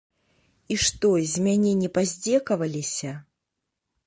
І што, з мяне не паздзекаваліся?